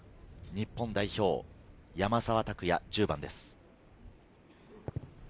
日本代表・山沢拓也、１０番です。